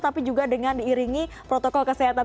tapi juga dengan diiringi protokol kesehatan